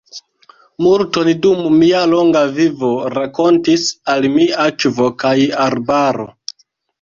Multon dum mia longa vivo rakontis al mi akvo kaj arbaro!